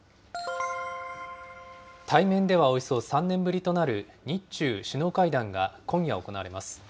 対面ではおよそ３年ぶりとなる日中首脳会談が今夜行われます。